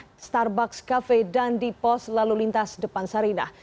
di starbucks cafe dan di pos lalu lintas depan sarinah